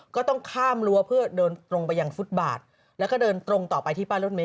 ก็ต้องข้ามรั้วเพื่อเดินตรงไปยังฟุตบาทแล้วก็เดินตรงต่อไปที่ป้ายรถเมย